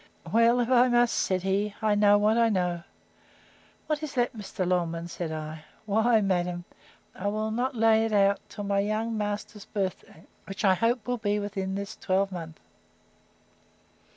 Well, if I must, said he, I know what I know. What is that, Mr. Longman? said I.—Why, madam, said he, I will not lay it out till my young master's birth day, which I hope will be within this twelvemonth.